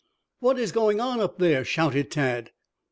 "What is going on up there?" shouted Tad.